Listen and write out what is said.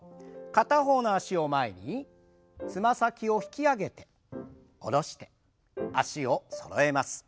片方の脚を前につま先を引き上げて下ろして脚をそろえます。